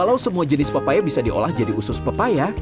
kalau semua jenis pepaya bisa diolah jadi usus pepaya